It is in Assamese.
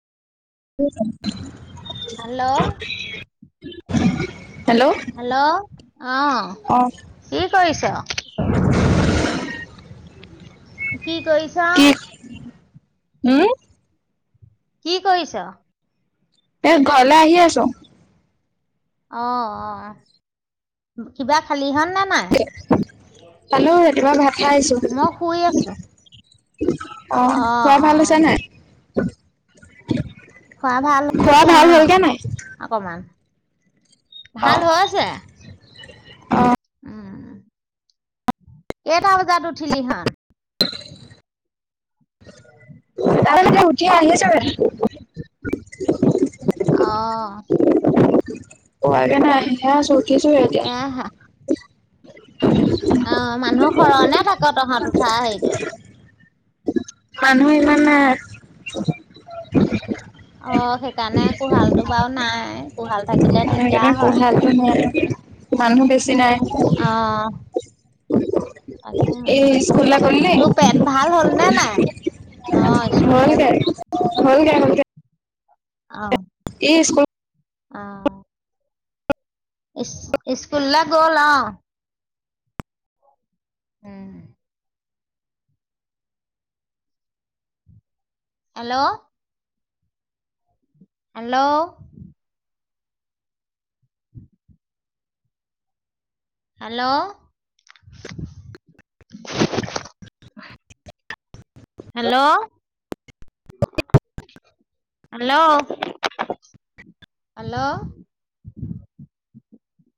হেল্ল' [unintelligible] হেল্ল' হেল্ল', অ', কি কৰিছ? কি কৰিছ? উম্, কি কৰিছ? এই ঘৰলে আহি আছোঁ। অ'অ', কিবা খালীহত নে নাই? খালোঁ, ৰাতিপুৱা ভাত মই খাই শুই আছো। আহিছোঁ। অ', অ খুৰা অ ভাল হৈছে নাই? [unintelligible] খুৰা ভাল খোৱা হৈছে ভাল অ', হ'লগে নাই অকমান। ভাল হৈছে। অ উম্, কেইটা বজাত উঠিলি হতঁ? [inaudible] উঠি আহিছোঁ। অ', পোৱাগে নাই, আহি হে আছোঁ। তাকেহে। অ', মানুহ সৰহ নে তাক, তহঁত উঠা হেৰিটো? মানুহ ইমান নাই। অ', সেইকাৰণে কোঁহাল টো বাৰু নাই। কোহাল থাকিলে দিগদাৰ সেইকাৰণে হয়। কোহালটো নাই, মানুহ বেছি নাই। অ তাকে এই স্কুললে গ'ল নি? তোৰ পেট ভাল হ'ল নে নাই? অ স্কুললৈ গ'ল হ'লগে, হ'লগে হ'লগে। অ', এই স্কুল অ', ইছ স্কুললে গ'ল অ', উম্, hello, hello, [inaudible] hello! Hello! Hello! Hello!